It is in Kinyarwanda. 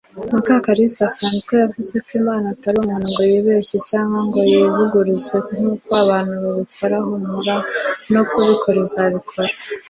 Mukakalisa francois yavuzeko imana atarumuntu ngo ibeshye cyangwa ngo yivuguruze nkuko abantu babikora humura nokubikora zabikora.